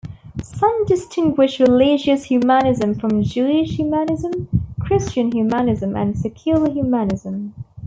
Some distinguish religious humanism from Jewish humanism, Christian humanism, and secular humanism.